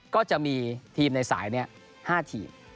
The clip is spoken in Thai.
ก็จะมีทีมในสายนี้๕ทีม